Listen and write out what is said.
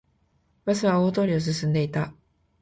バスは大通りを進んでいた